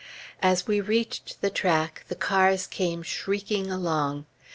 As we reached the track, the cars came shrieking along.